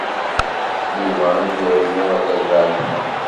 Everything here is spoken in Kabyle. Yuba ad d-yernu ar terbeɛt-nneɣ.